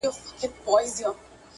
نو باید په کب بدل شې